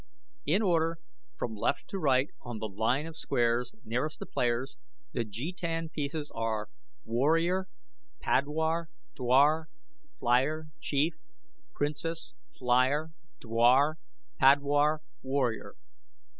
In order from left to right on the line of squares nearest the players, the jetan pieces are Warrior, Padwar, Dwar, Flier, Chief, Princess, Flier, Dwar, Padwar, Warrior.